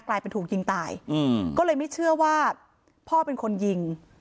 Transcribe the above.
กลายเป็นถูกยิงตายอืมก็เลยไม่เชื่อว่าพ่อเป็นคนยิง